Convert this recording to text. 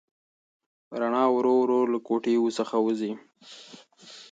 رڼا ورو ورو له کوټې څخه وځي.